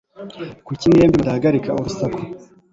Kuki mwembi mutahagarika urusaku